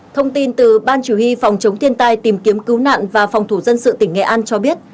thông tin từ ban chủ huy phòng chống thiên tai tìm kiếm cứu nạn và phòng thủ dân sự tỉnh nghệ an cho biết